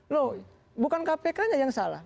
loh bukan kpk nya yang salah